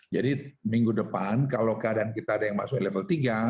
jadi minggu depan kalau keadaan kita ada yang masuk level tiga